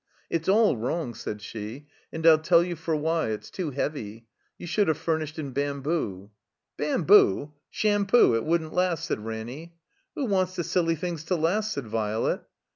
''It's all wrong," said she. And 1*11 tell you for why. It's too heavy. You should have furnished in bamboo." Bamboo? Sham poo! It wouldn't last," said Ranny. '*Who wants the silly things to last?" said Violet.